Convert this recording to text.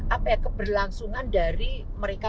apa ya keberlangsungan dari mereka